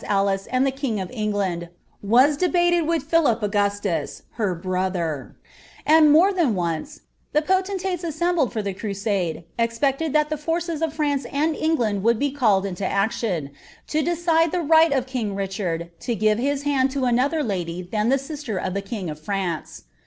Alice and the king of Enghinil was dehateiTwith Philip Align* tus, her brotlier ; and more ilian once, the pntenlntea assembled for ibt cniMde, expected that the forces of France and England would be o«M , to decide the right of king Kirfiard to give hia hand taM other lady than the stisier of the king of pTance.